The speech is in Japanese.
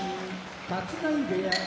立浪部屋